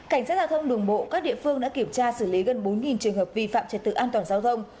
cảnh sát giao thông đường bộ các địa phương đã kiểm tra xử lý gần bốn trường hợp vi phạm trật tự an toàn giao thông